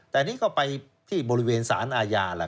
แต่อันนี้ก็ไปที่บริเวณสารอาญา